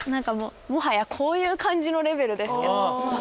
もはやこういう感じのレベルですけど。